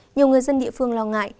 nhiều người dân địa phương lo ngại